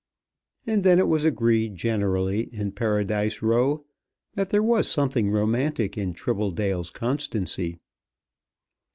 And then it was agreed generally in Paradise Row that there was something romantic in Tribbledale's constancy.